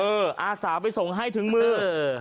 อาสาไปส่งให้ถึงมือ